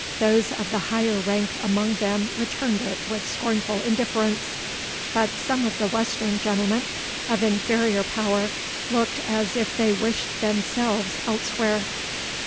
Those of the higher rank among them returned it with scornful indifference; but some of the western gentlemen of inferior power, looked as if they wished themselves elsewhere.